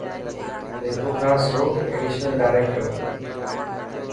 مير پور خاص رو ايڊيشنل ڊائريڪٽر.